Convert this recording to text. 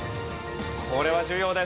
これは重要です。